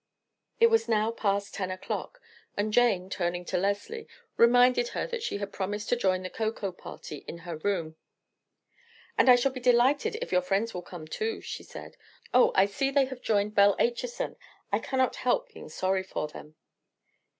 It was now past ten o'clock; and Jane, turning to Leslie, reminded her that she had promised to join the cocoa party in her room. "And I shall be delighted if your friends will come too," she said. "Oh, I see they have joined Belle Acheson; I cannot help being sorry for them."